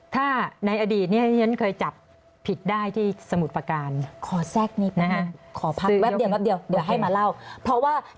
ถ้าในอดีตยันเคยจับผิดได้ที่สมุทรประการ